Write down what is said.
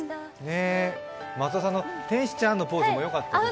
松田さんの、天使ちゃんのポーズもよかったです。